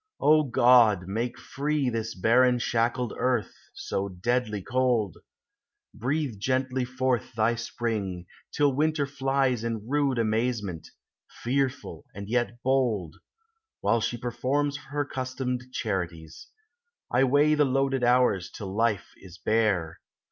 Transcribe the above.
O God! make free TEE SEASONS. 89 This barren shackled earth, so deadly cold, — Breathe gently forth thy spring, till winter flies In rude amazement, fearful and yet bold, While she perforins her customed charities; I weigh the loaded hours till life is bare.